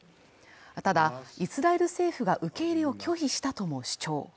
ただ、イスラエル政府が受け入れを拒否したとも主張。